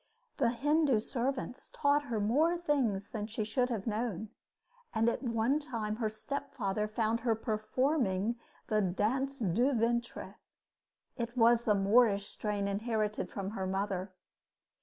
The Hindu servants taught her more things than she should have known; and at one time her stepfather found her performing the danse du ventre. It was the Moorish strain inherited from her mother.